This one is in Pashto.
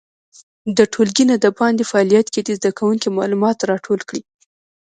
د ټولګي نه د باندې فعالیت کې دې زده کوونکي معلومات راټول کړي.